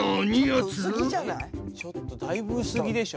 ちょっとだいぶ薄着でしょ。